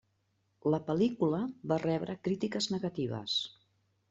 La pel·lícula va rebre crítiques negatives.